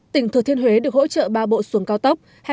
tỉnh thừa thiên huế được hỗ trợ ba bộ xuồng cao tốc